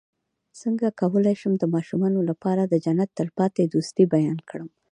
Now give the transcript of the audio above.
څنګه کولی شم د ماشومانو لپاره د جنت د تل پاتې دوستۍ بیان کړم